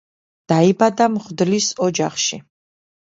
დაიბადა მღვდლის ოჯახში.